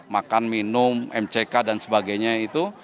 makan minum mck dan sebagainya itu